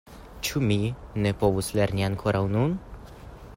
Ĉu mi ne povus lerni ankoraŭ nun?